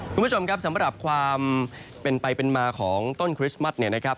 คุณผู้ชมครับสำหรับความเป็นไปเป็นมาของต้นคริสต์มัสเนี่ยนะครับ